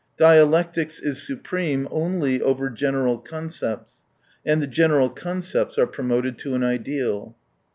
Dialectics is supreme only over general concepts — and the general concepts are promoted to an ideal.